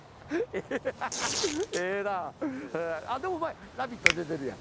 あっでもお前『ラヴィット！』に出てるやん。